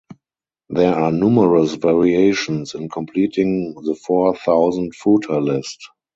There are numerous variations in completing the Four Thousand Footer list.